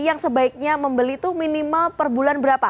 yang sebaiknya membeli itu minimal per bulan berapa